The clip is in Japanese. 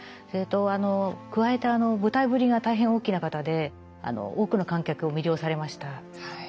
それと加えて舞台ぶりが大変大きな方で多くの観客を魅了されました。